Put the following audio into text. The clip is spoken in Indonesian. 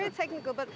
jadi itu teknologi